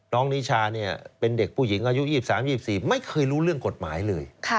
นิชาเป็นเด็กผู้หญิงอายุ๒๓๒๔ไม่เคยรู้เรื่องกฎหมายเลย